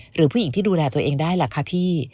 หรือผู้หญิงที่ดูแลตัวเองได้ล่ะคะพี่